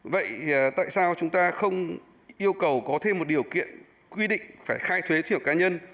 vậy tại sao chúng ta không yêu cầu có thêm một điều kiện quy định phải khai thuế tri hợp cá nhân